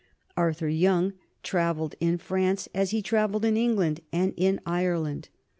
Arthur Young travelled in France as he travelled in England and in Ireland.